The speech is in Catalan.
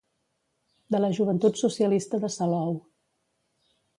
De la Joventut Socialista de Salou.